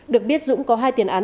được biết dũng có hai tiền án